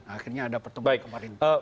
akhirnya ada pertemuan kemarin